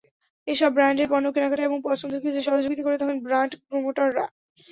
এসব ব্র্যান্ডের পণ্য কেনাকাটায় এবং পছন্দের ক্ষেত্রে সহযোগিতা করে থাকেন ব্র্যান্ড প্রমোটররা।